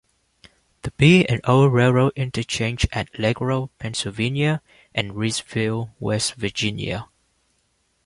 The B and O Railroad interchanged at Leckrone, Pennsylvania, and Rivesville, West Virginia.